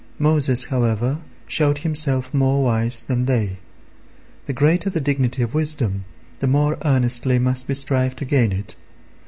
Moses, however, showed himself more wise than they. The greater the dignity of wisdom, the more earnestly must we strive to gain it.